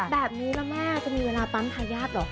แบบนี้และม่าจะมีเวลาปรัมพายาทหรอ